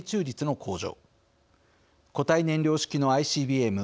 固体燃料式のＩＣＢＭ